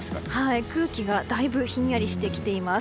空気がだいぶひんやりしてきています。